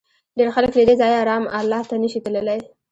ډېر خلک له دې ځایه رام الله ته نه شي تللی.